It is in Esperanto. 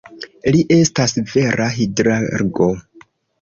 Li estas vera hidrargo.